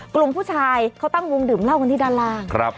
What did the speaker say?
กลุ่มผู้ชายเขาตั้งวงดื่มเหล้ากันที่ด้านล่าง